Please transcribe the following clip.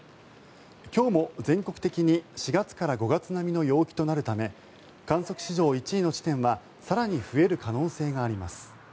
今日も全国的に４月から５月並みの陽気となるため観測史上１位の地点は更に増える可能性があります。